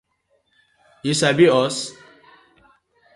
Yu sabi us?